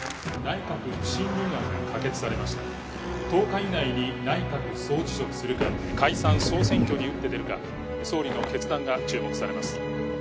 「１０日以内に内閣総辞職するか解散総選挙に打って出るか総理の決断が注目されます」